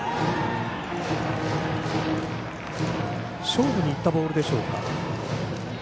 勝負にいったボールでしょうか。